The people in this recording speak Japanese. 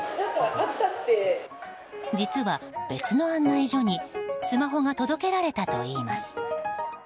実は、別の案内所にスマホが届けられたといいます。